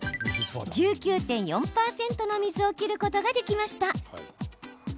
１９．４％の水を切ることができました。